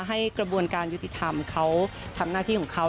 กระบวนการยุติธรรมเขาทำหน้าที่ของเขา